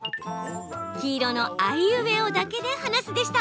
黄色のあいうえおだけで話すでした。